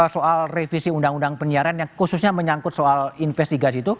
soal revisi undang undang penyiaran yang khususnya menyangkut soal investigasi itu